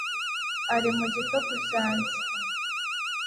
ari mu gikapu cyanjye